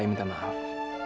isi hewan dia jatuhnya